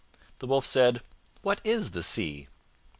The Wolf said, "What is the Sea?"